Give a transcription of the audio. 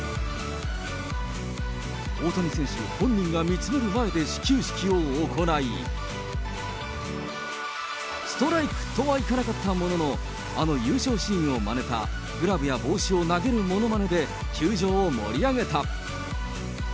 大谷選手本人が見つめる前で始球式を行い、ストライクとはいかなかったものの、あの優勝シーンをまねたグラブや帽子を投げるものまねで、球場を盛り上げた。